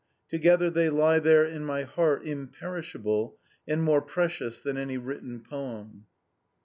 Together they lie there in my heart, imperishable, and more precious than any written poem!